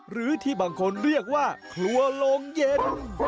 หรือที่บางคนเรียกว่าครัวโรงเย็น